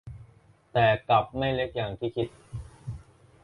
แต่กลับไม่เล็กอย่างที่คิด